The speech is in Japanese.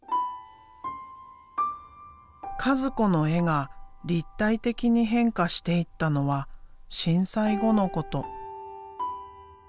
和子の絵が立体的に変化していったのは震災後のこと。